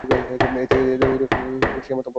এদের অধিকাংশই শিয়া মতাবলম্বী।